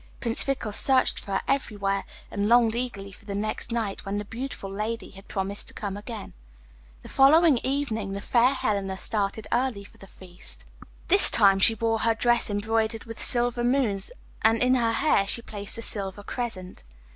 Prince Fickle searched for her everywhere, and longed eagerly for the next night, when the beautiful lady had promised to come again. The following evening the fair Helena started early for the feast. This time she wore her dress embroidered with silver moons, and in her hair she placed a silver crescent.